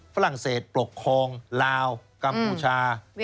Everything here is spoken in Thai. ฝรั่งเศสปกครองลาวกัมพูชา